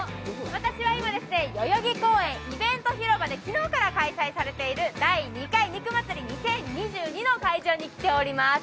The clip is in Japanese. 私は今、代々木公園イベント広場で昨日から開催されている第２回肉祭２０２２の会場に来ております。